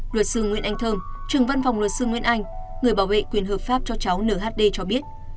luật sư nguyễn anh thơm trường văn phòng luật sư nguyễn anh người bảo vệ quyền hợp pháp cho cháu nhd cho biết